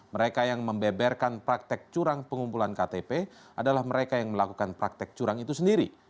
mereka yang membeberkan praktek curang pengumpulan ktp adalah mereka yang melakukan praktek curang itu sendiri